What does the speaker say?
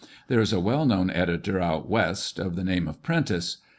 There is a well known editor " out west," of the name of Prentice.